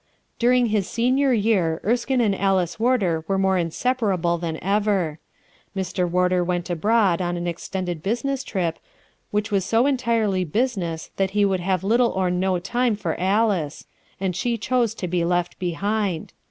During his senior year Erskine and Alice Warder were more inseparable than ever. Mr. Warder went abroad on an extended business trip, which was so entirely business that he would have little or no time for Alice, and she chose to be left behind.